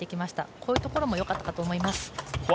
こういうところも良かったと思います。